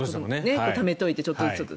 ためておいて、ちょっとずつ。